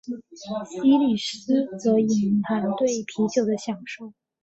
西里斯则隐含对啤酒的享受。